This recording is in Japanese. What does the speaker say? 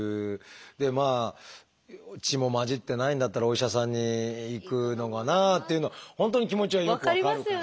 でまあ血も混じってないんだったらお医者さんに行くのはなっていうのは本当に気持ちはよく分かるから。